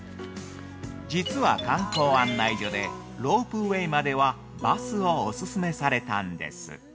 ◆実は観光案内所でロープウェイまではバスをお勧めされたんです。